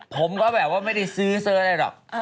ผมก็แบบว่าไม่ได้ซื้อซื้ออะไรหรอก